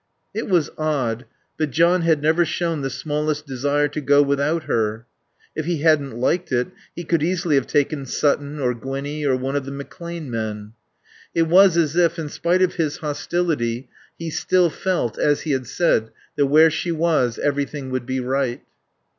It was odd, but John had never shown the smallest desire to go without her. If he hadn't liked it he could easily have taken Sutton or Gwinnie or one of the McClane men. It was as if, in spite of his hostility, he still felt, as he had said, that where she was everything would be right.